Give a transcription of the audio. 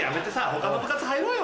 他の部活入ろうよ。